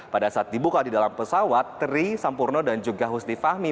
pada saat dibuka di dalam pesawat tri sampurno dan juga husni fahmi